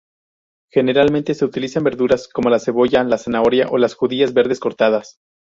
Generalmente se utilizan verduras como la cebolla, la zanahoria o las judías verdes cortadas.